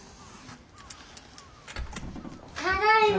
ただいま。